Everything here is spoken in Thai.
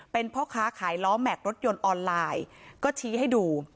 เป็นพ่อค้าขายล้อแม็กซรถยนต์ออนไลน์ก็ชี้ให้ดู